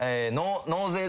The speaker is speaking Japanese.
納税！？